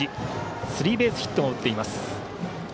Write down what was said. スリーベースヒットも打っています。